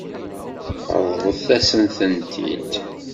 Ṛeḍlet-asent-tent-id.